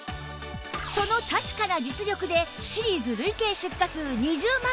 その確かな実力でシリーズ累計出荷数２０万